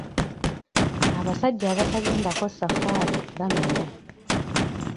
Abasajja abatagendako safaali bamenya.